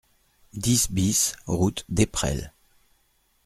dix BIS route d'Esprels